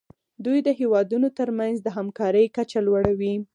دوی د هیوادونو ترمنځ د همکارۍ کچه لوړوي